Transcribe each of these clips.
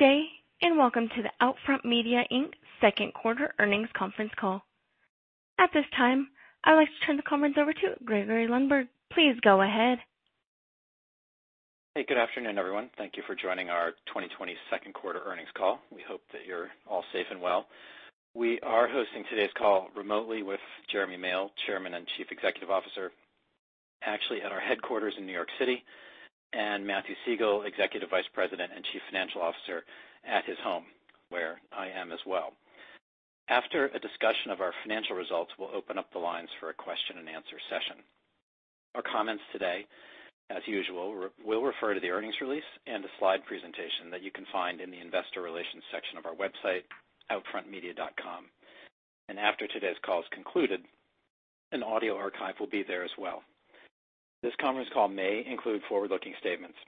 Good day, and welcome to the OUTFRONT Media Inc. second quarter earnings conference call. At this time, I would like to turn the conference over to Gregory Lundberg. Please go ahead. Hey, good afternoon, everyone. Thank you for joining our 2020 second quarter earnings call. We hope that you're all safe and well. We are hosting today's call remotely with Jeremy Male, Chairman and Chief Executive Officer, actually at our headquarters in New York City, and Matthew Siegel, Executive Vice President and Chief Financial Officer at his home, where I am as well. After a discussion of our financial results, we'll open up the lines for a question and answer session. Our comments today, as usual, will refer to the earnings release and a slide presentation that you can find in the Investor Relations section of our website, outfrontmedia.com. After today's call is concluded, an audio archive will be there as well. This conference call may include forward-looking statements.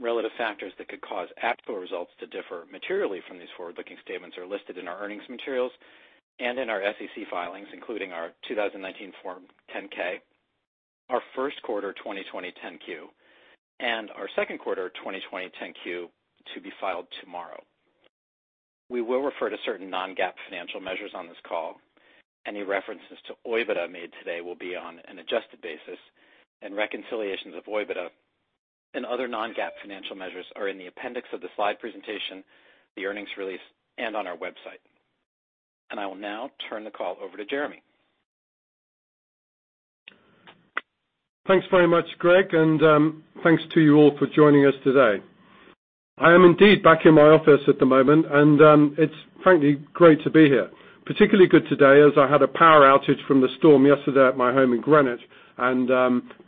Relevant factors that could cause actual results to differ materially from these forward-looking statements are listed in our earnings materials and in our SEC filings, including our 2019 Form 10-K, our first quarter 2020 10-Q, and our second quarter 2020 10-Q to be filed tomorrow. We will refer to certain non-GAAP financial measures on this call. Any references to OIBDA made today will be on an adjusted basis, and reconciliations of OIBDA and other non-GAAP financial measures are in the appendix of the slide presentation, the earnings release, and on our website. I will now turn the call over to Jeremy. Thanks very much, Greg, and thanks to you all for joining us today. I am indeed back in my office at the moment, and it's frankly great to be here. Particularly good today, as I had a power outage from the storm yesterday at my home in Greenwich, and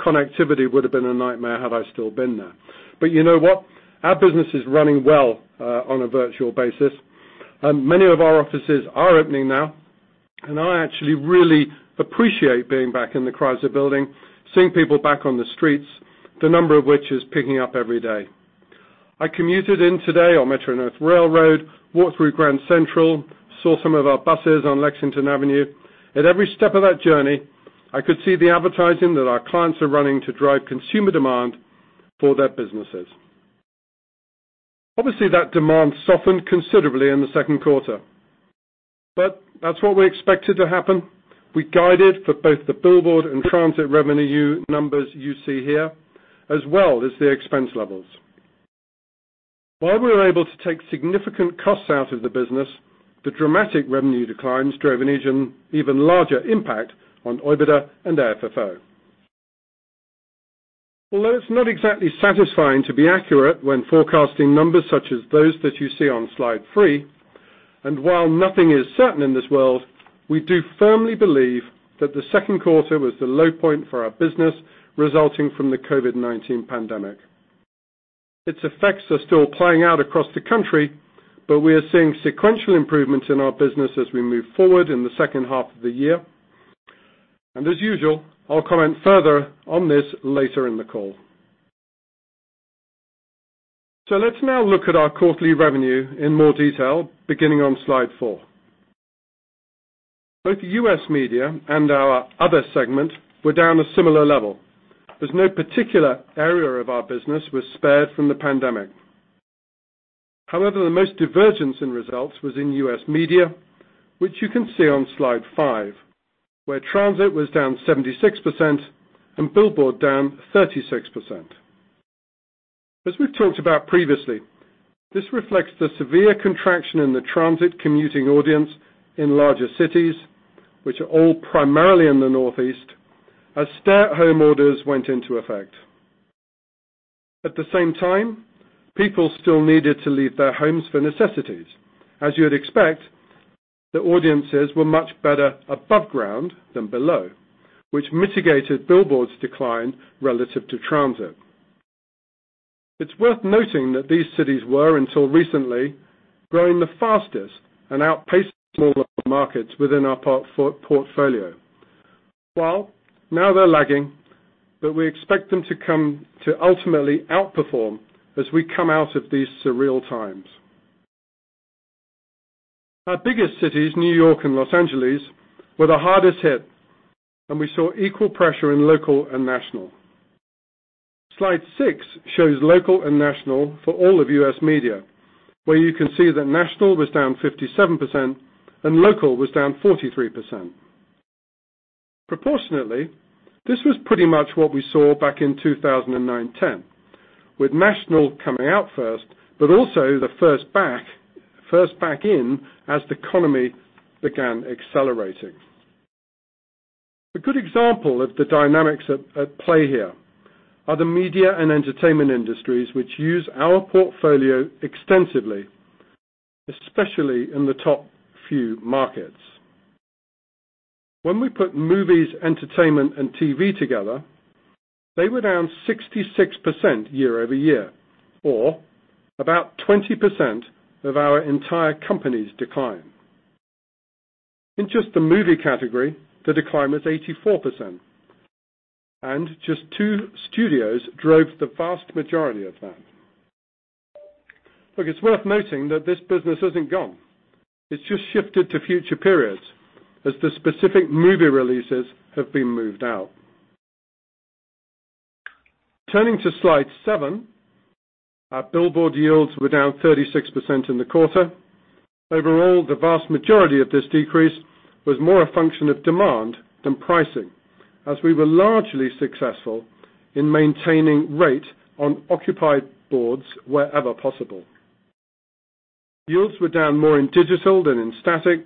connectivity would have been a nightmare had I still been there. You know what? Our business is running well on a virtual basis. Many of our offices are opening now, and I actually really appreciate being back in the Chrysler Building, seeing people back on the streets, the number of which is picking up every day. I commuted in today on Metro-North Railroad, walked through Grand Central, saw some of our buses on Lexington Avenue. At every step of that journey, I could see the advertising that our clients are running to drive consumer demand for their businesses. Obviously, that demand softened considerably in the second quarter. That's what we expected to happen. We guided for both the billboard and transit revenue numbers you see here, as well as the expense levels. While we were able to take significant costs out of the business, the dramatic revenue declines drove an even larger impact on OIBDA and AFFO. Although it's not exactly satisfying to be accurate when forecasting numbers such as those that you see on slide three, and while nothing is certain in this world, we do firmly believe that the second quarter was the low point for our business resulting from the COVID-19 pandemic. Its effects are still playing out across the country, but we are seeing sequential improvements in our business as we move forward in the second half of the year. As usual, I'll comment further on this later in the call. Let's now look at our quarterly revenue in more detail, beginning on slide four. Both U.S. Media and our other segment were down a similar level, as no particular area of our business was spared from the pandemic. However, the most divergence in results was in U.S. Media, which you can see on slide five, where transit was down 76% and billboard down 36%. As we've talked about previously, this reflects the severe contraction in the transit commuting audience in larger cities, which are all primarily in the Northeast, as stay-at-home orders went into effect. At the same time, people still needed to leave their homes for necessities. As you would expect, the audiences were much better above ground than below, which mitigated billboard's decline relative to transit. It's worth noting that these cities were, until recently, growing the fastest and outpaced smaller markets within our portfolio. Well, now they're lagging, but we expect them to ultimately outperform as we come out of these surreal times. Our biggest cities, New York and Los Angeles, were the hardest hit, and we saw equal pressure in local and national. Slide six shows local and national for all of U.S. Media, where you can see that national was down 57% and local was down 43%. Proportionately, this was pretty much what we saw back in 2009, 2010, with national coming out first, but also the first back in as the economy began accelerating. A good example of the dynamics at play here are the media and entertainment industries, which use our portfolio extensively, especially in the top few markets. When we put movies, entertainment, and TV together, they were down 66% year-over-year or about 20% of our entire company's decline. In just the movie category, the decline was 84%, and just two studios drove the vast majority of that. Look, it's worth noting that this business isn't gone. It's just shifted to future periods as the specific movie releases have been moved out. Turning to slide seven, our billboard yields were down 36% in the quarter. Overall, the vast majority of this decrease was more a function of demand than pricing, as we were largely successful in maintaining rate on occupied boards wherever possible. Yields were down more in digital than in static,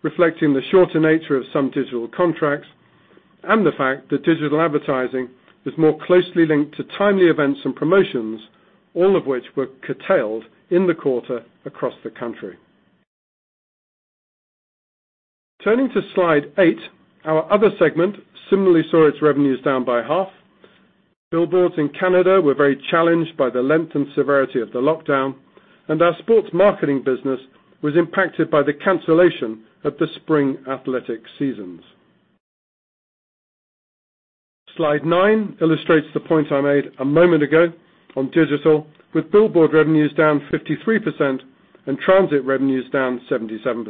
reflecting the shorter nature of some digital contracts and the fact that digital advertising is more closely linked to timely events and promotions, all of which were curtailed in the quarter across the country. Turning to slide eight, our other segment similarly saw its revenues down by half. Billboards in Canada were very challenged by the length and severity of the lockdown, and our sports marketing business was impacted by the cancellation of the spring athletic seasons. Slide nine illustrates the point I made a moment ago on digital, with billboard revenues down 53% and transit revenues down 77%.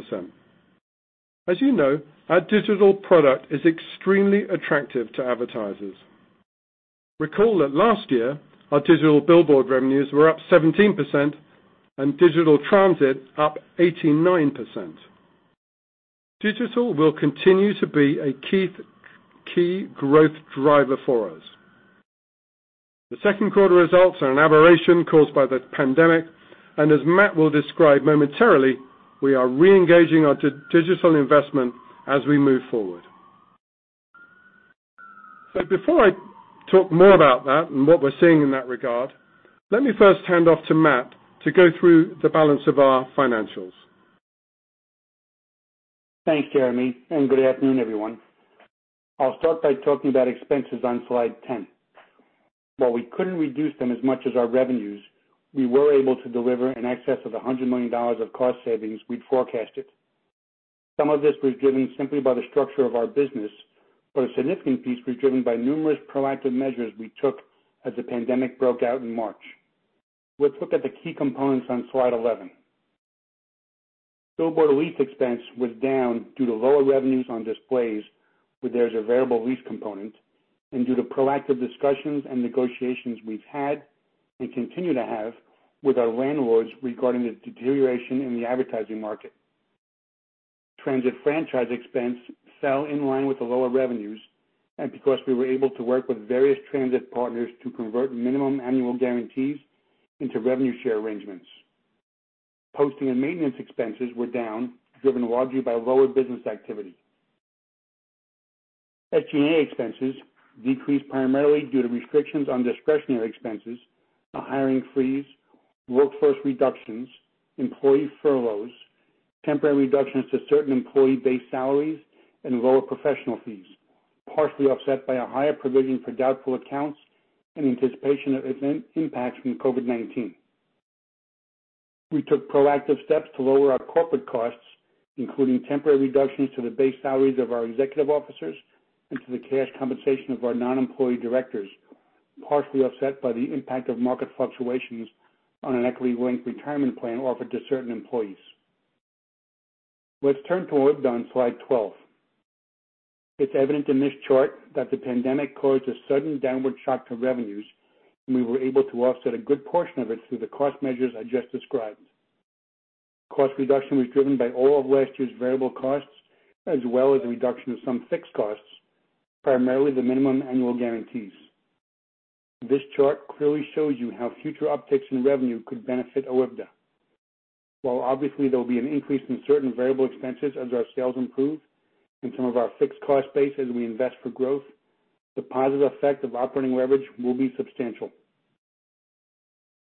As you know, our digital product is extremely attractive to advertisers. Recall that last year, our digital billboard revenues were up 17% and digital transit up 89%. Digital will continue to be a key growth driver for us. The second quarter results are an aberration caused by the pandemic, and as Matt will describe momentarily, we are reengaging our digital investment as we move forward. Before I talk more about that and what we're seeing in that regard, let me first hand off to Matt to go through the balance of our financials. Thanks, Jeremy, and good afternoon, everyone. I'll start by talking about expenses on Slide 10. While we couldn't reduce them as much as our revenues, we were able to deliver in excess of $100 million of cost savings we'd forecasted. Some of this was driven simply by the structure of our business, but a significant piece was driven by numerous proactive measures we took as the pandemic broke out in March. Let's look at the key components on Slide 11. Billboard lease expense was down due to lower revenues on displays where there's a variable lease component and due to proactive discussions and negotiations we've had and continue to have with our landlords regarding the deterioration in the advertising market. Transit franchise expense fell in line with the lower revenues and because we were able to work with various transit partners to convert minimum annual guarantees into revenue share arrangements. Posting and maintenance expenses were down, driven largely by lower business activity. SG&A expenses decreased primarily due to restrictions on discretionary expenses, a hiring freeze, workforce reductions, employee furloughs, temporary reductions to certain employee base salaries, and lower professional fees, partially offset by a higher provision for doubtful accounts in anticipation of impact from COVID-19. We took proactive steps to lower our corporate costs, including temporary reductions to the base salaries of our executive officers and to the cash compensation of our non-employee directors, partially offset by the impact of market fluctuations on an equity-linked retirement plan offered to certain employees. Let's turn to OIBDA on slide 12. It's evident in this chart that the pandemic caused a sudden downward shock to revenues, and we were able to offset a good portion of it through the cost measures I just described. Cost reduction was driven by all of last year's variable costs, as well as the reduction of some fixed costs, primarily the minimum annual guarantees. This chart clearly shows you how future upticks in revenue could benefit OIBDA. While obviously there will be an increase in certain variable expenses as our sales improve and some of our fixed cost base as we invest for growth, the positive effect of operating leverage will be substantial.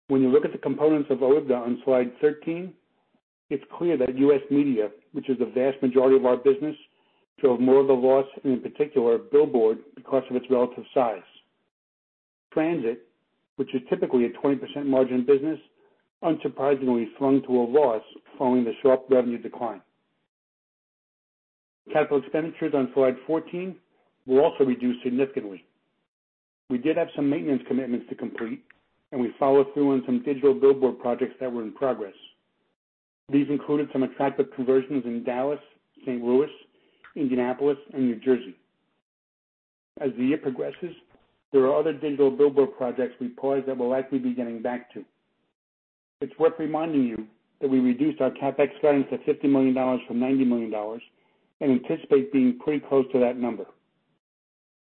When you look at the components of OIBDA on slide 13, it's clear that U.S. Media, which is the vast majority of our business, drove more of the loss, and in particular, Billboard, because of its relative size. Transit, which is typically a 20% margin business, unsurprisingly swung to a loss following the sharp revenue decline. Capital expenditures on slide 14 were also reduced significantly. We did have some maintenance commitments to complete, and we followed through on some digital billboard projects that were in progress. These included some attractive conversions in Dallas, St. Louis, Indianapolis, and New Jersey. As the year progresses, there are other digital billboard projects we paused that we'll likely be getting back to. It's worth reminding you that we reduced our CapEx guidance to $50 million from $90 million and anticipate being pretty close to that number.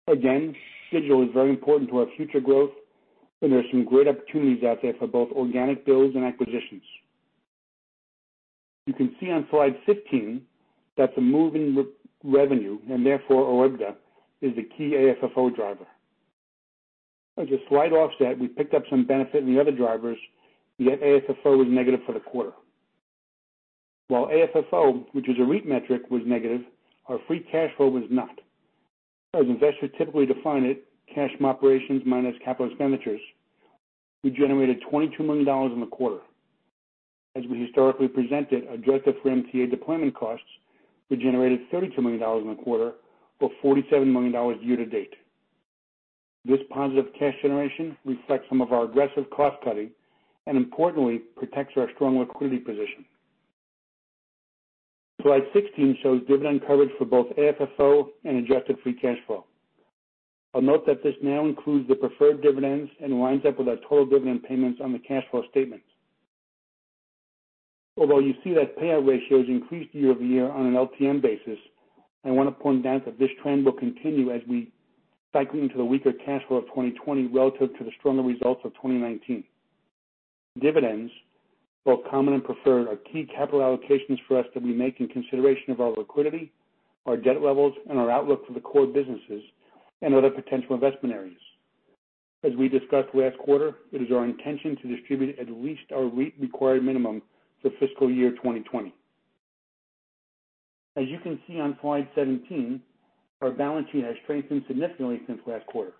Again, digital is very important to our future growth, and there are some great opportunities out there for both organic builds and acquisitions. You can see on slide 15 that the move in revenue, and therefore OIBDA, is the key AFFO driver. As a slight offset, we picked up some benefit in the other drivers, yet AFFO was negative for the quarter. While AFFO, which is a REIT metric, was negative, our free cash flow was not. As investors typically define it, cash from operations minus capital expenditures, we generated $22 million in the quarter. As we historically present it, adjusted for MTA deployment costs, we generated $32 million in the quarter for $47 million year to date. This positive cash generation reflects some of our aggressive cost cutting and, importantly, protects our strong liquidity position. Slide 16 shows dividend coverage for both AFFO and adjusted free cash flow. I'll note that this now includes the preferred dividends and winds up with our total dividend payments on the cash flow statement. Although you see that payout ratios increased year-over-year on an LTM basis, I want to point out that this trend will continue as we cycle into the weaker cash flow of 2020 relative to the stronger results of 2019. Dividends, both common and preferred, are key capital allocations for us that we make in consideration of our liquidity, our debt levels, and our outlook for the core businesses and other potential investment areas. As we discussed last quarter, it is our intention to distribute at least our REIT required minimum for fiscal year 2020. As you can see on slide 17, our balance sheet has strengthened significantly since last quarter.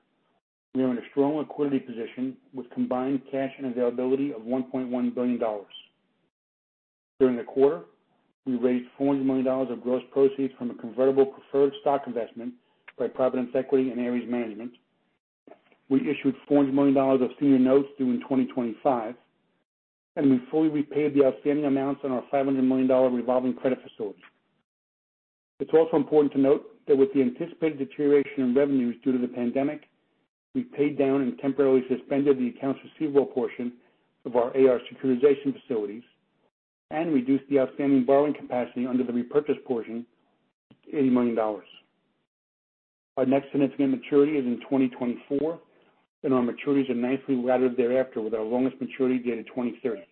We are in a strong liquidity position with combined cash and availability of $1.1 billion. During the quarter, we raised $400 million of gross proceeds from a convertible preferred stock investment by Providence Equity and Ares Management. We issued $400 million of senior notes due in 2025, and we fully repaid the outstanding amounts on our $500 million revolving credit facility. It's also important to note that with the anticipated deterioration in revenues due to the pandemic, we've paid down and temporarily suspended the accounts receivable portion of our AR securitization facilities and reduced the outstanding borrowing capacity under the repurchase portion to $80 million. Our next significant maturity is in 2024, and our maturities are nicely laddered thereafter, with our longest maturity dated 2030.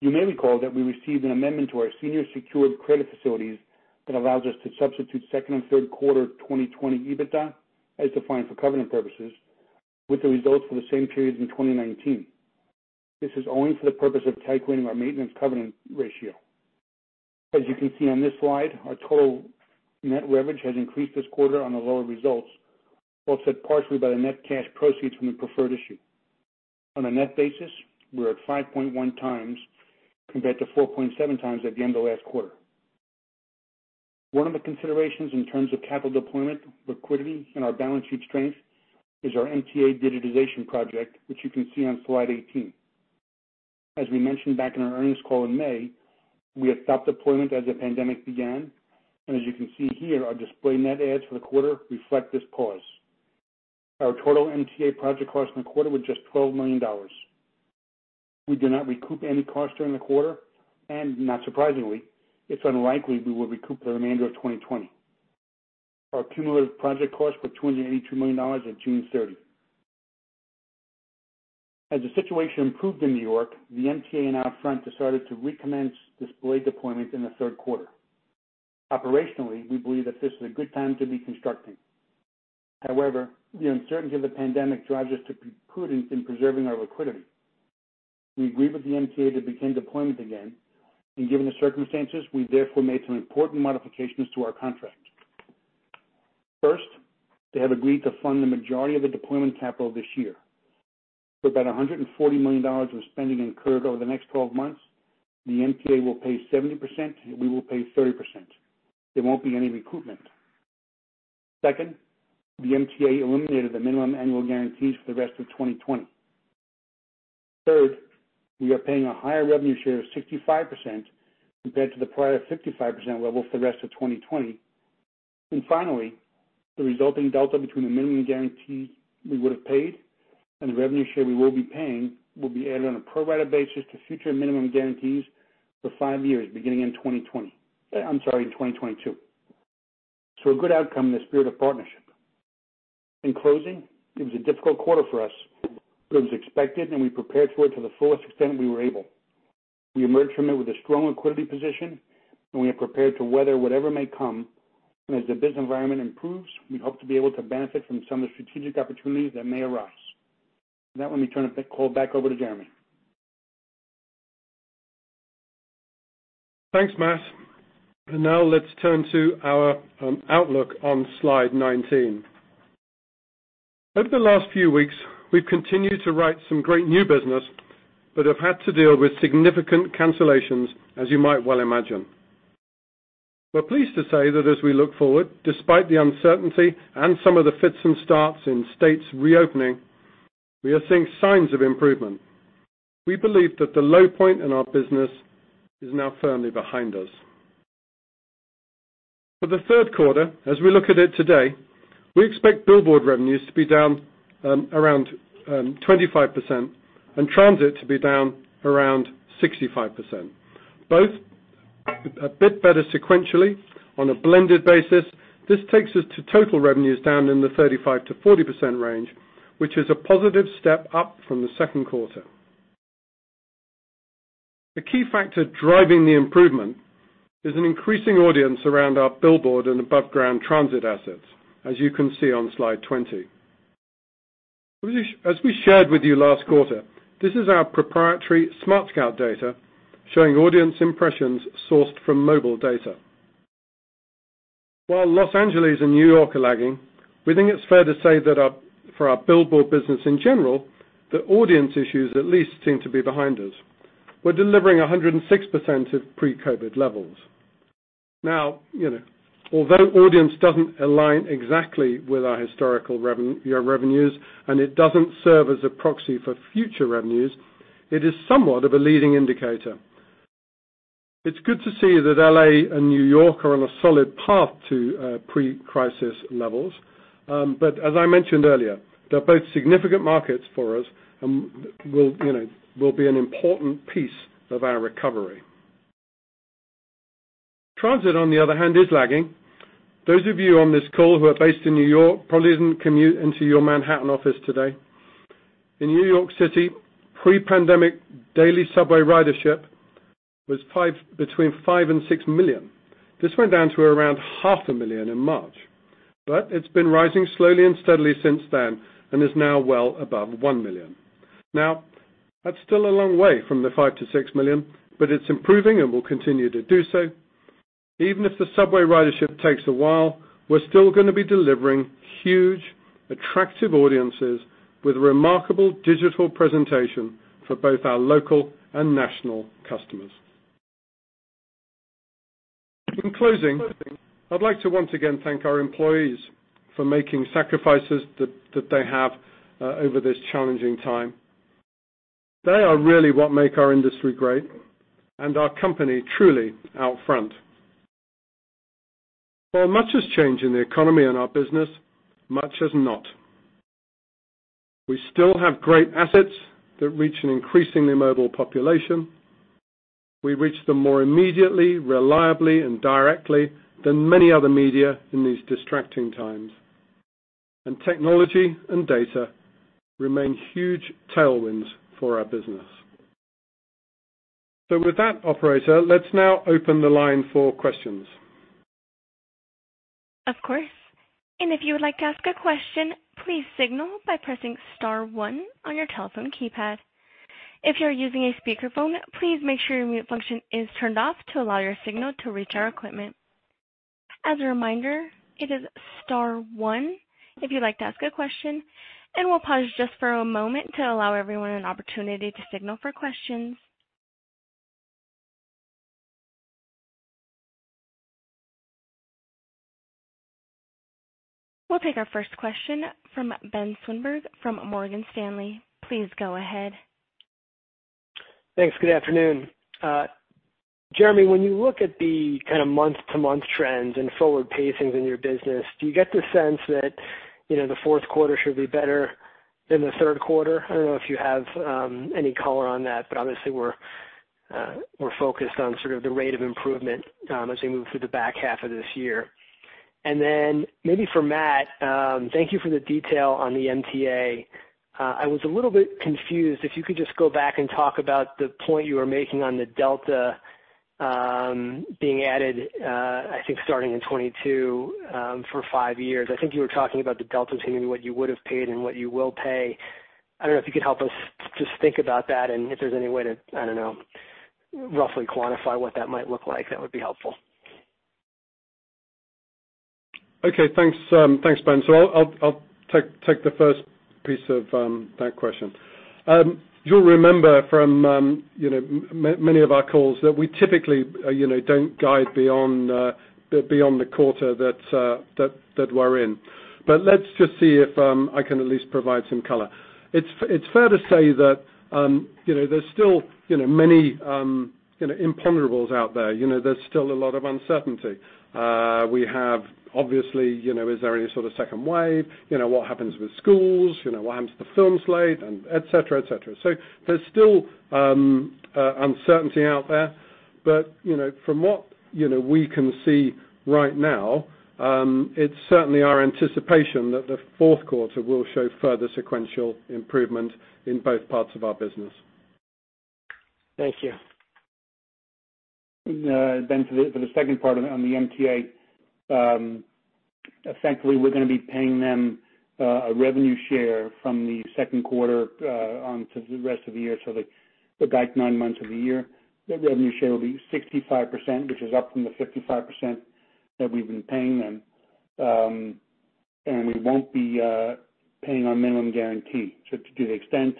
You may recall that we received an amendment to our senior secured credit facilities that allows us to substitute second and third quarter 2020 EBITDA, as defined for covenant purposes, with the results for the same periods in 2019. This is only for the purpose of titrating our maintenance covenant ratio. As you can see on this slide, our total net leverage has increased this quarter on the lower results, offset partially by the net cash proceeds from the preferred issue. On a net basis, we're at 5.1x compared to 4.7x at the end of last quarter. One of the considerations in terms of capital deployment, liquidity, and our balance sheet strength is our MTA digitization project, which you can see on Slide 18. As we mentioned back in our earnings call in May, we had stopped deployment as the pandemic began, and as you can see here, our display net adds for the quarter reflect this pause. Our total MTA project cost in the quarter was just $12 million. We did not recoup any costs during the quarter, and not surprisingly, it's unlikely we will recoup the remainder of 2020. Our cumulative project costs were $282 million at June 30. As the situation improved in New York, the MTA and OUTFRONT decided to recommence display deployment in the third quarter. Operationally, we believe that this is a good time to be constructing. However, the uncertainty of the pandemic drives us to be prudent in preserving our liquidity. We agreed with the MTA to begin deployment again, and given the circumstances, we therefore made some important modifications to our contract. First, they have agreed to fund the majority of the deployment capital this year. For about $140 million of spending incurred over the next 12 months, the MTA will pay 70%, and we will pay 30%. There won't be any recoupment. Second, the MTA eliminated the minimum annual guarantees for the rest of 2020. Third, we are paying a higher revenue share of 65% compared to the prior 55% level for the rest of 2020. Finally, the resulting delta between the minimum guarantee we would have paid and the revenue share we will be paying will be added on a pro-rata basis to future minimum guarantees for five years, beginning in 2020, I'm sorry, in 2022. A good outcome in the spirit of partnership. In closing, it was a difficult quarter for us, but it was expected, and we prepared for it to the fullest extent we were able. We emerged from it with a strong liquidity position, and we are prepared to weather whatever may come. As the business environment improves, we hope to be able to benefit from some of the strategic opportunities that may arise. Now let me turn the call back over to Jeremy. Thanks, Matt. Now let's turn to our outlook on slide 19. Over the last few weeks, we've continued to write some great new business but have had to deal with significant cancellations, as you might well imagine. We're pleased to say that as we look forward, despite the uncertainty and some of the fits and starts in states reopening, we are seeing signs of improvement. We believe that the low point in our business is now firmly behind us. For the third quarter, as we look at it today, we expect billboard revenues to be down around 25% and transit to be down around 65%, both a bit better sequentially on a blended basis. This takes us to total revenues down in the 35%-40% range, which is a positive step up from the second quarter. A key factor driving the improvement is an increasing audience around our billboard and aboveground transit assets, as you can see on Slide 20. As we shared with you last quarter, this is our proprietary smartSCOUT data showing audience impressions sourced from mobile data. While Los Angeles and New York are lagging, we think it's fair to say that for our billboard business in general, the audience issues at least seem to be behind us. We're delivering 106% of pre-COVID levels. Now, although audience doesn't align exactly with our historical year revenues, and it doesn't serve as a proxy for future revenues, it is somewhat of a leading indicator. It's good to see that L.A. and New York are on a solid path to pre-crisis levels. As I mentioned earlier, they're both significant markets for us and will be an important piece of our recovery. Transit, on the other hand, is lagging. Those of you on this call who are based in New York probably didn't commute into your Manhattan office today. In New York City, pre-pandemic daily subway ridership was between 5 million and 6 million. This went down to around half a million in March. It's been rising slowly and steadily since then and is now well above 1 million. Now, that's still a long way from the 5 million-6 million, but it's improving and will continue to do so. Even if the subway ridership takes a while, we're still going to be delivering huge, attractive audiences with remarkable digital presentation for both our local and national customers. In closing, I'd like to once again thank our employees for making sacrifices that they have over this challenging time. They are really what make our industry great and our company truly OUTFRONT. While much has changed in the economy and our business, much has not. We still have great assets that reach an increasingly mobile population. We reach them more immediately, reliably, and directly than many other media in these distracting times. Technology and data remain huge tailwinds for our business. With that, Operator, let's now open the line for questions. Of course. If you would like to ask a question, please signal by pressing star one on your telephone keypad. If you are using a speakerphone, please make sure your mute function is turned off to allow your signal to reach our equipment. As a reminder, it is star one if you'd like to ask a question, and we'll pause just for a moment to allow everyone an opportunity to signal for questions. We'll take our first question from Ben Swinburne from Morgan Stanley. Please go ahead. Thanks. Good afternoon. Jeremy, when you look at the kind of month-to-month trends and forward pacings in your business, do you get the sense that the fourth quarter should be better than the third quarter? I don't know if you have any color on that, but obviously we're focused on sort of the rate of improvement as we move through the back half of this year. Maybe for Matt, thank you for the detail on the MTA. I was a little bit confused. If you could just go back and talk about the point you were making on the delta being added, I think starting in 2022, for five years. I think you were talking about the delta between what you would have paid and what you will pay. I don't know if you could help us just think about that. If there's any way to, I don't know, roughly quantify what that might look like, that would be helpful. Okay, thanks Ben. I'll take the first piece of that question. You'll remember from many of our calls that we typically don't guide beyond the quarter that we're in. Let's just see if I can at least provide some color. It's fair to say that there's still many imponderables out there. There's still a lot of uncertainty. We have, obviously, is there any sort of second wave? What happens with schools? What happens to the film slate, et cetera? There's still uncertainty out there. From what we can see right now, it's certainly our anticipation that the fourth quarter will show further sequential improvement in both parts of our business. Thank you. Ben, for the second part on the MTA, effectively we're going to be paying them a revenue share from the second quarter on to the rest of the year, the guide nine months of the year. The revenue share will be 65%, which is up from the 55% that we've been paying them. We won't be paying our minimum guarantee. To the extent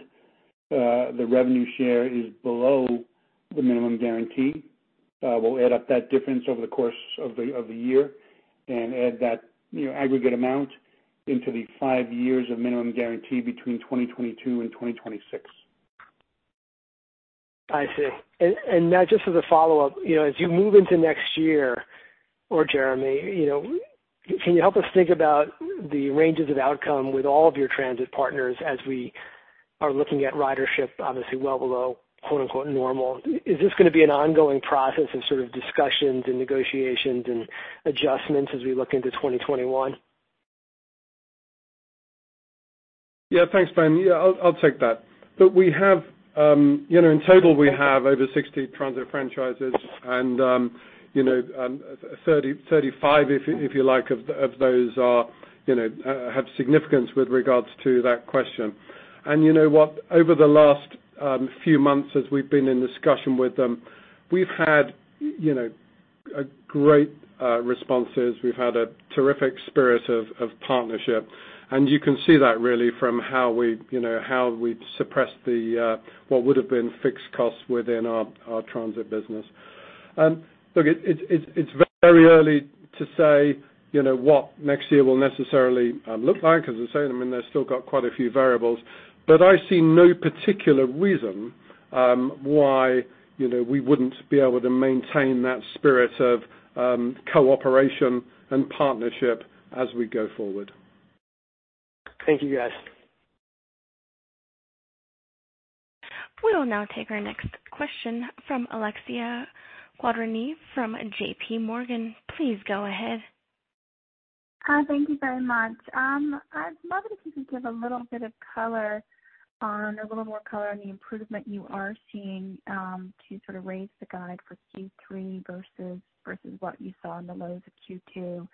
the revenue share is below the minimum guarantee, we'll add up that difference over the course of the year and add that aggregate amount into the five years of minimum guarantee between 2022 and 2026. I see. Matt, just as a follow-up, as you move into next year, or Jeremy, can you help us think about the ranges of outcome with all of your transit partners as we are looking at ridership, obviously well below "normal"? Is this going to be an ongoing process of sort of discussions and negotiations and adjustments as we look into 2021? Yeah. Thanks, Ben. Yeah, I'll take that. In total, we have over 60 transit franchises and 35, if you like, of those have significance with regards to that question. You know what? Over the last few months as we've been in discussion with them, we've had great responses. We've had a terrific spirit of partnership. You can see that really from how we've suppressed what would have been fixed costs within our transit business. Look, it's very early to say what next year will necessarily look like because as I say to them, they've still got quite a few variables. I see no particular reason why we wouldn't be able to maintain that spirit of cooperation and partnership as we go forward. Thank you, guys. We will now take our next question from Alexia Quadrani from J.P. Morgan. Please go ahead. Hi. Thank you very much. I'd love it if you could give a little bit of color on the improvement you are seeing to sort of raise the guide for Q3 versus what you saw in the lows of Q2.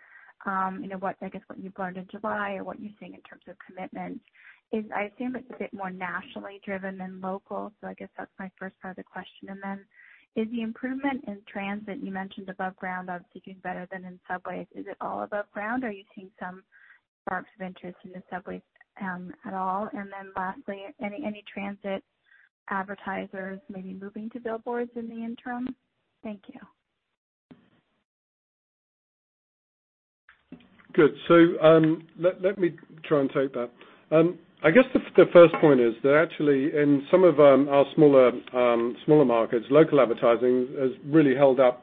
I guess what you've learned in July or what you're seeing in terms of commitments is, I assume it's a bit more nationally driven than local. I guess that's my first part of the question. Is the improvement in transit you mentioned above ground of doing better than in subways, is it all above ground, or are you seeing some sparks of interest in the subways at all? Lastly, any transit advertisers maybe moving to billboards in the interim? Thank you. Good. Let me try and take that. I guess the first point is that actually in some of our smaller markets, local advertising has really held up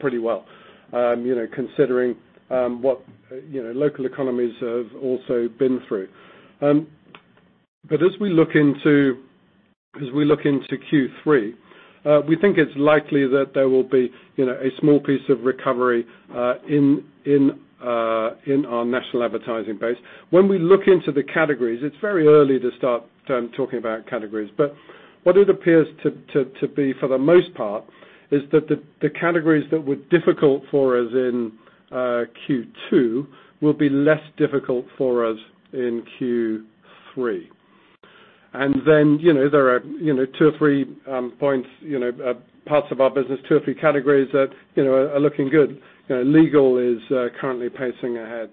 pretty well considering what local economies have also been through. As we look into Q3, we think it's likely that there will be a small piece of recovery in our national advertising base. When we look into the categories, it's very early to start talking about categories, but what it appears to be for the most part is that the categories that were difficult for us in Q2 will be less difficult for us in Q3. There are two or three points, parts of our business, two or three categories that are looking good. Legal is currently pacing ahead.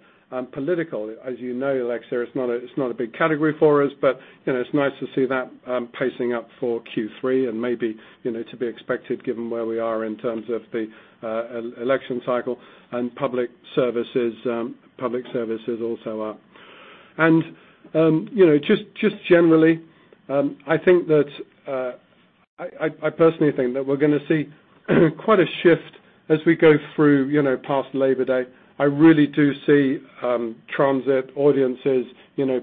Political, as you know, Alexia, it's not a big category for us, but it's nice to see that pacing up for Q3 and maybe to be expected given where we are in terms of the election cycle, and public services also are. Just generally, I personally think that we're going to see quite a shift as we go through past Labor Day. I really do see transit audiences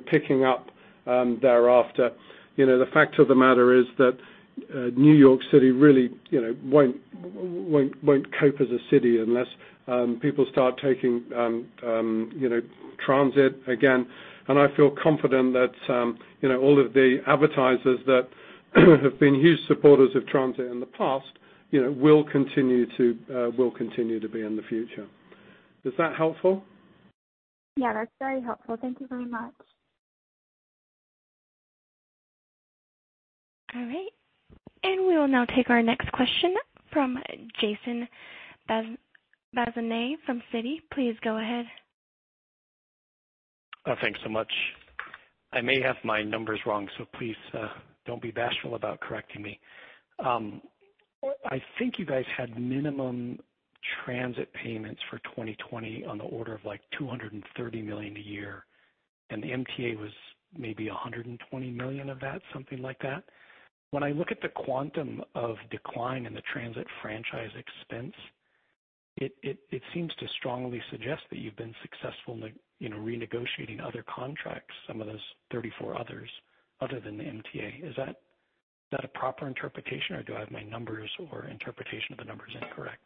picking up thereafter. The fact of the matter is that New York City really won't cope as a city unless people start taking transit again. I feel confident that all of the advertisers that have been huge supporters of transit in the past will continue to be in the future. Is that helpful? Yeah, that's very helpful. Thank you very much. All right. We will now take our next question from Jason Bazinet from Citi. Please go ahead. Thanks so much. I may have my numbers wrong, so please, don't be bashful about correcting me. I think you guys had minimum transit payments for 2020 on the order of like $230 million a year, and the MTA was maybe $120 million of that, something like that. When I look at the quantum of decline in the transit franchise expense, it seems to strongly suggest that you've been successful in renegotiating other contracts, some of those 34 others, other than the MTA. Is that a proper interpretation, or do I have my numbers or interpretation of the numbers incorrect?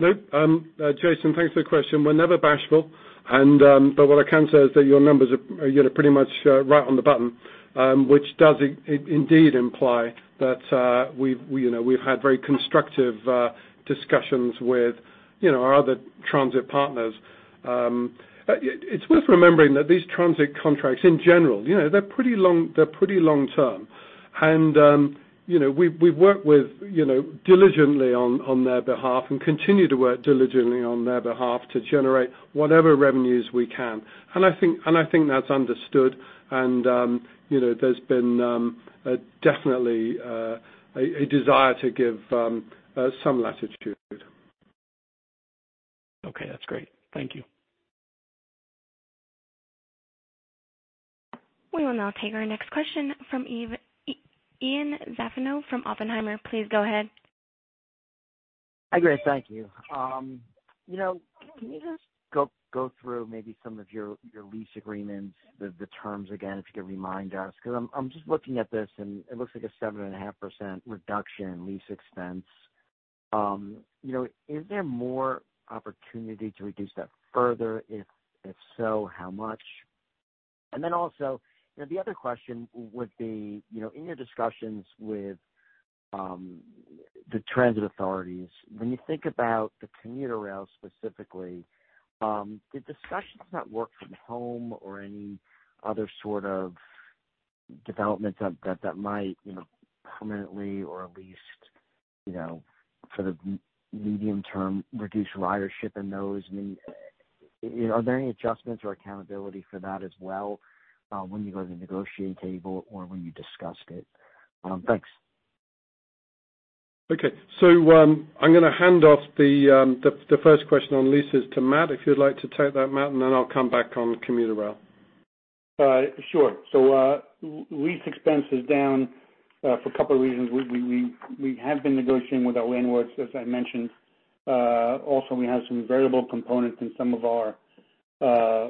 No. Jason, thanks for the question. We're never bashful. What I can say is that your numbers are pretty much right on the button, which does indeed imply that we've had very constructive discussions with our other transit partners. It's worth remembering that these transit contracts in general, they're pretty long-term. We've worked diligently on their behalf and continue to work diligently on their behalf to generate whatever revenues we can. I think that's understood, and there's been definitely a desire to give some latitude. Okay, that's great. Thank you. We will now take our next question from Ian Zaffino from Oppenheimer. Please go ahead. Hi, Greg. Thank you. Can you just go through maybe some of your lease agreements, the terms again, if you could remind us, because I'm just looking at this, and it looks like a 7.5% reduction in lease expense? Is there more opportunity to reduce that further? If so, how much? Also, the other question would be, in your discussions with the transit authorities, when you think about the commuter rails specifically, did discussions about work from home or any other sort of developments that might permanently or at least for the medium term reduce ridership in those? Are there any adjustments or accountability for that as well, when you go to the negotiating table or when you discussed it? Thanks. Okay. I'm going to hand off the first question on leases to Matt. If you'd like to take that, Matt, and then I'll come back on commuter rail. Sure. Lease expense is down for a couple of reasons. We have been negotiating with our landlords, as I mentioned. Also we have some variable components in some of our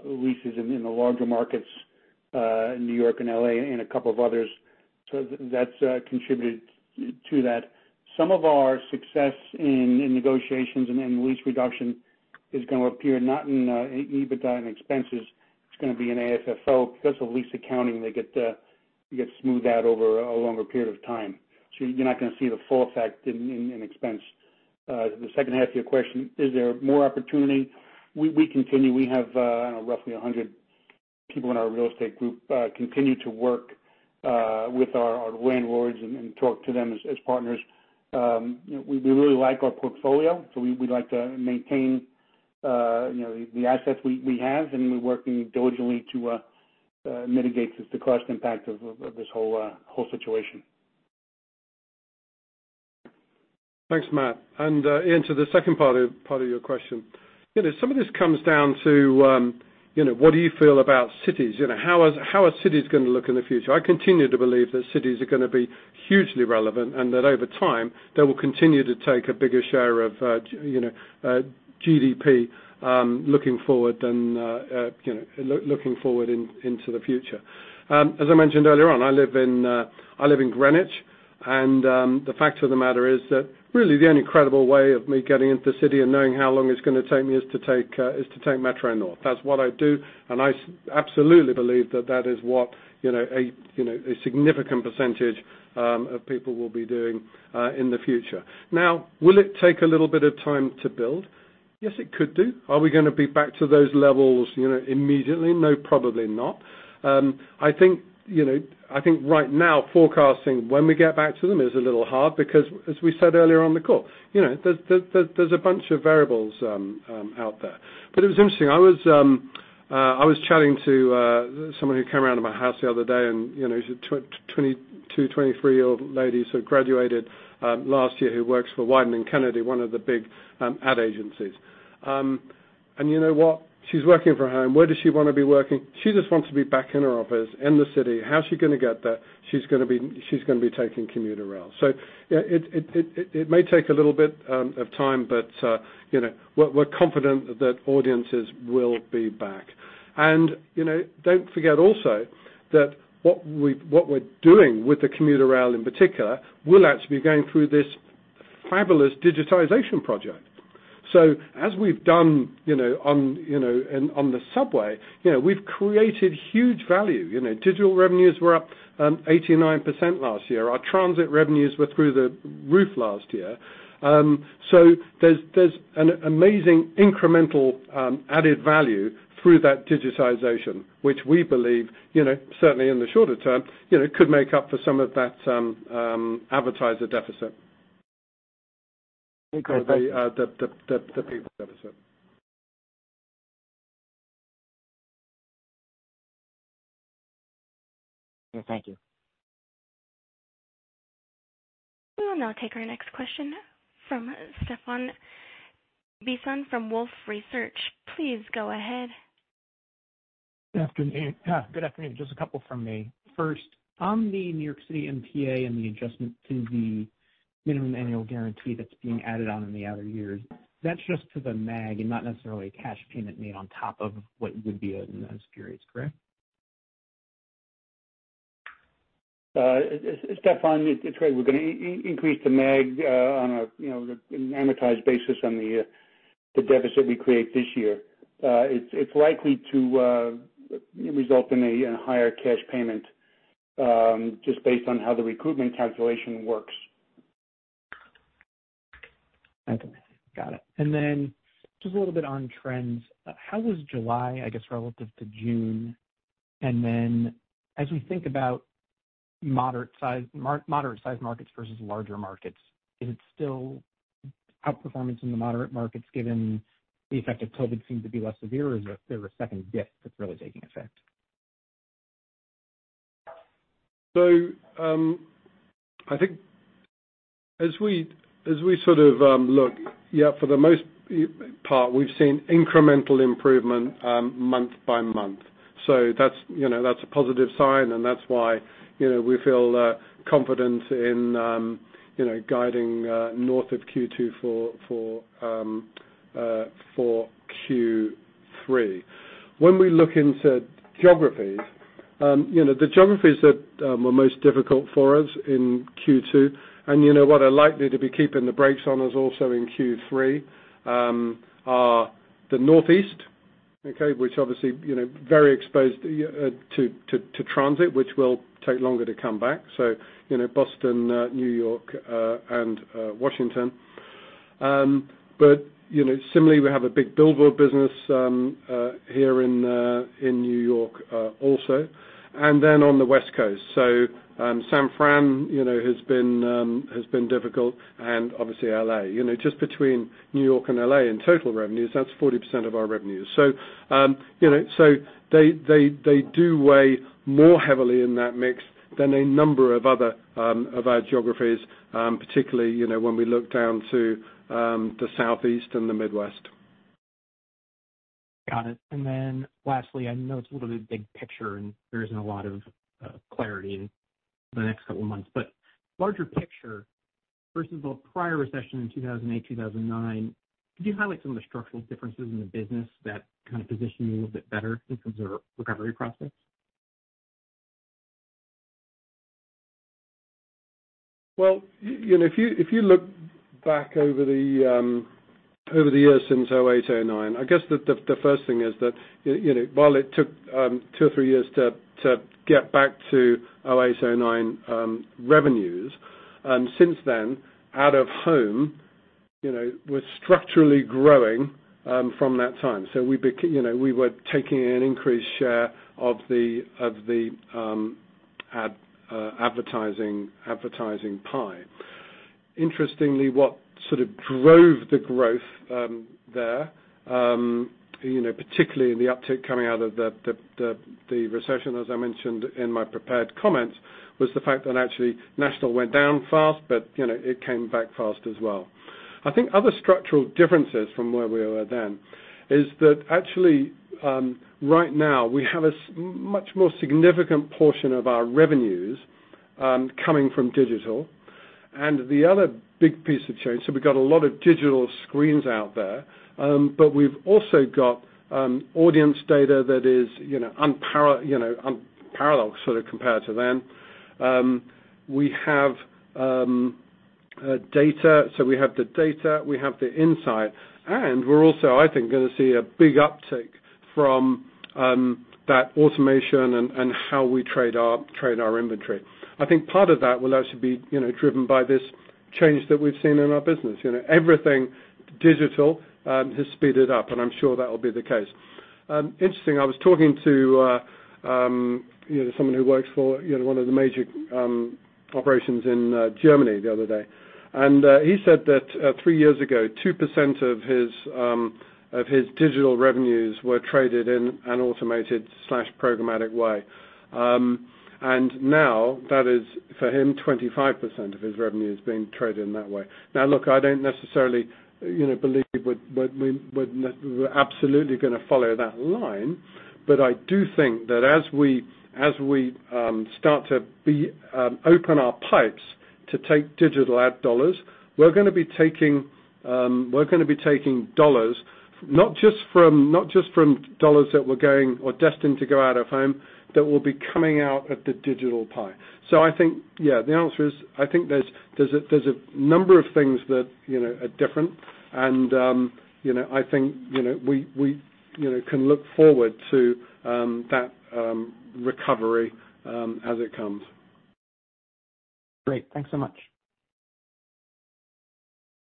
leases in the larger markets, New York and L.A. and a couple of others. That's contributed to that. Some of our success in negotiations and in lease reduction is going to appear not in EBITDA and expenses. It's going to be in AFFO because of lease accounting. They get smoothed out over a longer period of time. You're not going to see the full effect in expense. The second half of your question, is there more opportunity? We continue. We have roughly 100 people in our real estate group continue to work with our landlords and talk to them as partners. We really like our portfolio, so we'd like to maintain the assets we have. We're working diligently to mitigate the cost impact of this whole situation. Thanks, Matt. Ian, to the second part of your question, some of this comes down to what do you feel about cities? How are cities going to look in the future? I continue to believe that cities are going to be hugely relevant and that over time, they will continue to take a bigger share of GDP looking forward into the future. As I mentioned earlier on, I live in Greenwich, and the fact of the matter is that really the only credible way of me getting into the city and knowing how long it's going to take me is to take Metro-North. That's what I do, and I absolutely believe that that is what a significant percentage of people will be doing in the future. Now, will it take a little bit of time to build? Yes, it could do. Are we going to be back to those levels immediately? No, probably not. I think right now forecasting when we get back to them is a little hard because as we said earlier on the call, there's a bunch of variables out there. It was interesting. I was chatting to someone who came around to my house the other day, and she's a 22, 23-year-old lady who graduated last year, who works for Wieden+Kennedy, one of the big ad agencies. You know what? She's working from home. Where does she want to be working? She just wants to be back in her office in the city. How is she going to get there? She's going to be taking commuter rail. It may take a little bit of time, but we're confident that audiences will be back. Don't forget also that what we're doing with the commuter rail in particular, we'll actually be going through this fabulous digitization project. As we've done on the subway, we've created huge value. Digital revenues were up 89% last year. Our transit revenues were through the roof last year. There's an amazing incremental added value through that digitization, which we believe certainly in the shorter term, could make up for some of that advertiser deficit. Thank you. The deficit. Thank you. We will now take our next question from Stephan Bisson from Wolfe Research. Please go ahead. Good afternoon. Just a couple from me. First, on the New York City MTA and the adjustment to the minimum annual guarantee that's being added on in the outer years, that's just to the MAG and not necessarily a cash payment made on top of what would be in those periods, correct? Stephan, it's Greg. We're going to increase the MAG on an amortized basis on the deficit we create this year. It's likely to result in a higher cash payment, just based on how the recoupment calculation works. Okay, got it. Just a little bit on trends. How was July, I guess, relative to June? As we think about moderate-sized markets versus larger markets, is it still outperformance in the moderate markets given the effect of COVID seemed to be less severe or is there a second dip that's really taking effect? I think as we sort of look, yeah, for the most part, we've seen incremental improvement month-by-month. That's a positive sign, and that's why we feel confident in guiding north of Q2 for Q3. When we look into geographies, the geographies that were most difficult for us in Q2, and what are likely to be keeping the brakes on us also in Q3, are the Northeast, okay, which obviously very exposed to transit, which will take longer to come back. Boston, New York, and Washington. Similarly, we have a big billboard business here in New York also, and then on the West Coast. San Fran has been difficult and obviously L.A. Just between New York and L.A. in total revenues, that's 40% of our revenues. They do weigh more heavily in that mix than a number of our geographies, particularly when we look down to the Southeast and the Midwest. Got it. Lastly, I know it's a little bit big picture and there isn't a lot of clarity in the next couple of months, but larger picture versus the prior recession in 2008, 2009, could you highlight some of the structural differences in the business that kind of position you a little bit better in terms of recovery process? Well, if you look back over the year since 2008, 2009, I guess the first thing is that while it took two or three years to get back to 2008, 2009 revenues, since then, out-of-home was structurally growing from that time. We were taking an increased share of the advertising pie. Interestingly, what sort of drove the growth there, particularly in the uptick coming out of the recession, as I mentioned in my prepared comments, was the fact that actually national went down fast, but it came back fast as well. I think other structural differences from where we were then is that actually, right now we have a much more significant portion of our revenues coming from digital. The other big piece of change, so we've got a lot of digital screens out there. We've also got audience data that is unparalleled sort of compared to then. We have the data, we have the insight, and we're also, I think, going to see a big uptick from that automation and how we trade our inventory. I think part of that will actually be driven by this change that we've seen in our business. Everything digital has speeded up, and I'm sure that'll be the case. Interesting, I was talking to someone who works for one of the major operations in Germany the other day. He said that three years ago, 2% of his digital revenues were traded in an automated/programmatic way. Now that is, for him, 25% of his revenue is being traded in that way. Now, look, I don't necessarily believe we're absolutely going to follow that line, but I do think that as we start to open our pipes to take digital ad dollars, we're going to be taking dollars, not just from dollars that were going or destined to go out-of-home, that will be coming out of the digital pie. I think, yeah, the answer is, I think there's a number of things that are different, and I think we can look forward to that recovery as it comes. Great. Thanks so much.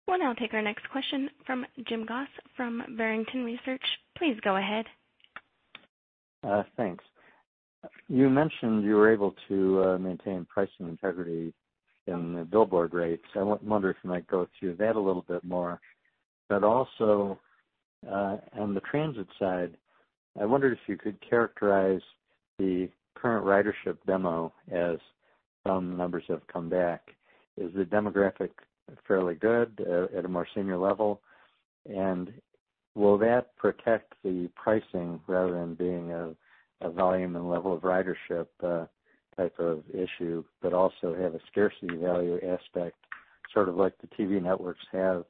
We'll now take our next question from Jim Goss from Barrington Research. Please go ahead. Thanks. You mentioned you were able to maintain pricing integrity in the billboard rates. I wonder if you might go through that a little bit more. Also, on the transit side, I wondered if you could characterize the current ridership demo as some numbers have come back. Is the demographic fairly good at a more senior level? Will that protect the pricing rather than being a volume and level of ridership type of issue, but also have a scarcity value aspect, sort of like the TV networks have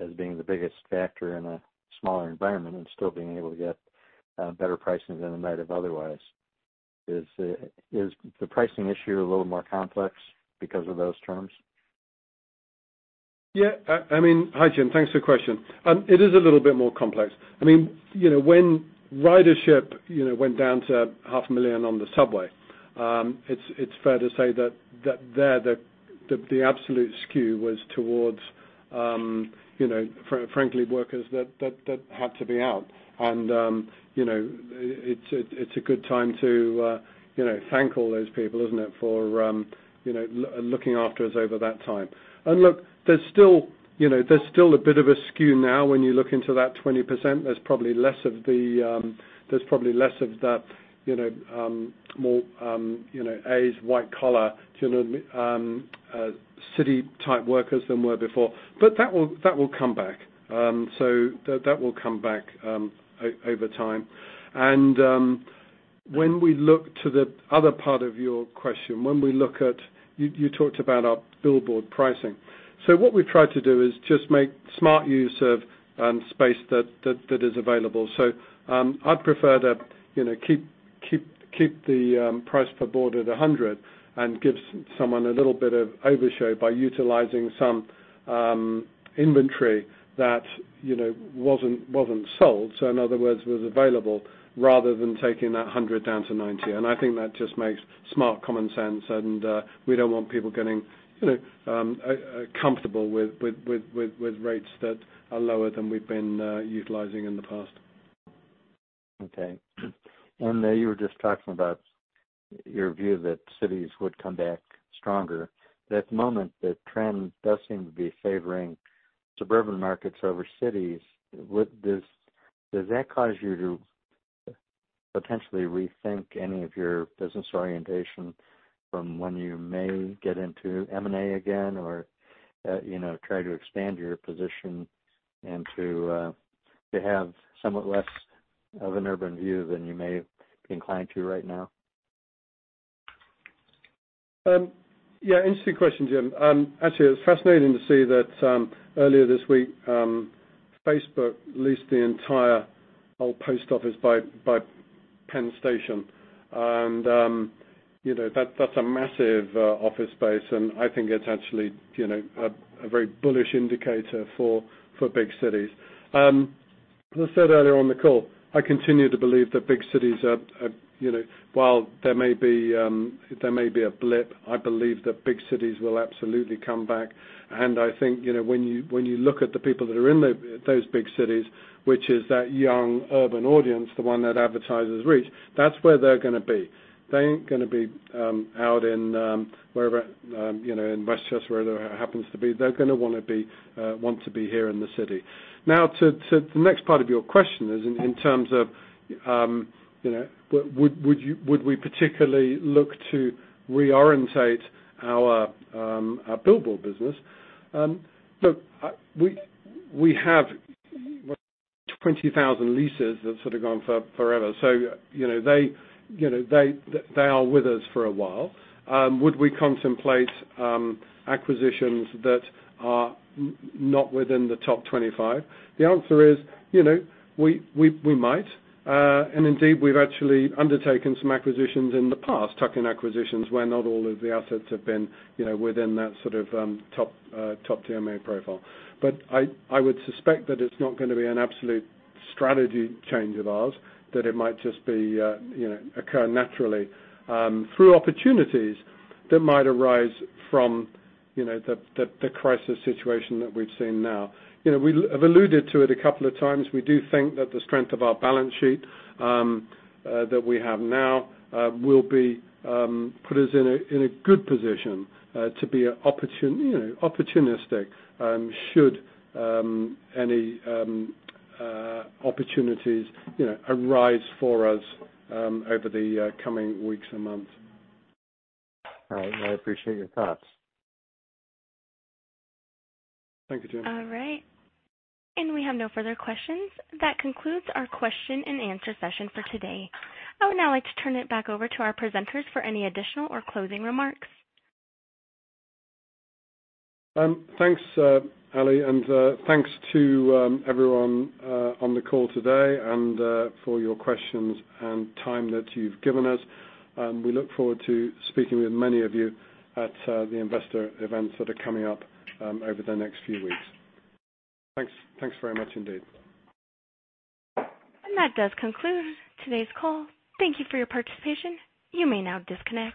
as being the biggest factor in a smaller environment and still being able to get better pricing than it might have otherwise? Is the pricing issue a little more complex because of those terms? Yeah. Hi, Jim. Thanks for the question. It is a little bit more complex. When ridership went down to half a million on the subway, it's fair to say that the absolute skew was towards frankly workers that had to be out. It's a good time to thank all those people, isn't it, for looking after us over that time. Look, there's still a bit of a skew now when you look into that 20%. There's probably less of the more A's white collar, city type workers than were before. That will come back. That will come back over time. When we look to the other part of your question, you talked about our billboard pricing. What we've tried to do is just make smart use of space that is available. I'd prefer to keep the price per board at $100 and give someone a little bit of overshow by utilizing some inventory that wasn't sold, so in other words, was available, rather than taking that $100 down to $90. I think that just makes smart common sense, and we don't want people getting comfortable with rates that are lower than we've been utilizing in the past. Okay. You were just talking about your view that cities would come back stronger. At the moment, the trend does seem to be favoring suburban markets over cities. Does that cause you to potentially rethink any of your business orientation from when you may get into M&A again, or try to expand your position and to have somewhat less of an urban view than you may be inclined to right now? Yeah. Interesting question, Jim. Actually, it was fascinating to see that earlier this week, Facebook leased the entire old post office by Penn Station. That's a massive office space, and I think it's actually a very bullish indicator for big cities. As I said earlier on the call, I continue to believe that while there may be a blip, I believe that big cities will absolutely come back. I think, when you look at the people that are in those big cities, which is that young urban audience, the one that advertisers reach, that's where they're gonna be. They ain't gonna be out in wherever, in Westchester, wherever that happens to be. They're gonna want to be here in the city. Now, to the next part of your question is in terms of would we particularly look to reorientate our billboard business. Look, we have 20,000 leases that have sort of gone forever. They are with us for a while. Would we contemplate acquisitions that are not within the top 25? The answer is, we might. Indeed, we've actually undertaken some acquisitions in the past, tuck-in acquisitions, where not all of the assets have been within that sort of top DMA profile. I would suspect that it's not gonna be an absolute strategy change of ours, that it might just occur naturally through opportunities that might arise from the crisis situation that we've seen now. I've alluded to it a couple of times. We do think that the strength of our balance sheet that we have now will put us in a good position to be opportunistic should any opportunities arise for us over the coming weeks and months. All right. I appreciate your thoughts. Thank you, Jim. All right. We have no further questions. That concludes our question and answer session for today. I would now like to turn it back over to our presenters for any additional or closing remarks. Thanks, Ally, and thanks to everyone on the call today, and for your questions and time that you've given us. We look forward to speaking with many of you at the investor events that are coming up over the next few weeks. Thanks very much indeed. That does conclude today's call. Thank you for your participation. You may now disconnect.